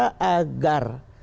kita minta agar